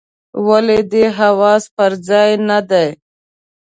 ولي دي حواس پر ځای نه دي ؟